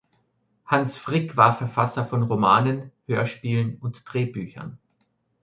Hans Frick war Verfasser von Romanen, Hörspielen und Drehbüchern.